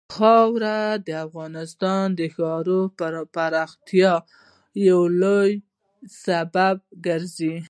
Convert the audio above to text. خاوره د افغانستان د ښاري پراختیا یو لوی سبب کېږي.